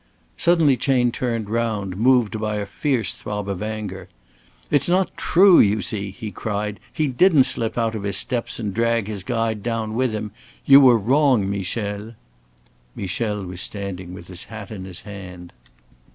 Suddenly Chayne turned round, moved by a fierce throb of anger. "It's not true, you see," he cried. "He didn't slip out of his steps and drag his guide down with him. You were wrong, Michel." Michel was standing with his hat in his hand.